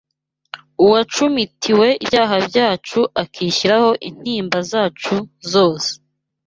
uwacumitiwe ibyaha byacu akishyiraho intimba zacu zose